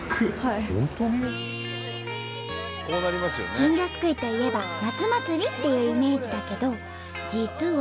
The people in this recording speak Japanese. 金魚すくいといえば夏祭りっていうイメージだけど実は。